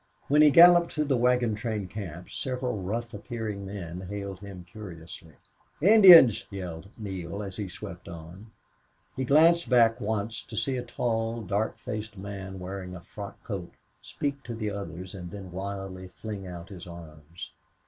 When he galloped through the wagon train camp several rough appearing men hailed him curiously. "Indians!" yelled Neale, as he swept on. He glanced back once to see a tall, dark faced man wearing a frock coat speak to the others and then wildly fling out his arms.